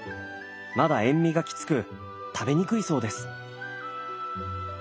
まだ塩味がきつく食べにくいそうです。